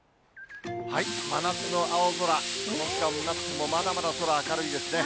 真夏の青空、この時間になっても、まだまだ空、明るいですね。